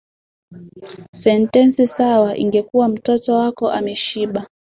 Sentensi sawa ingekuwa ‘’Mtoto wako ameshiba’’.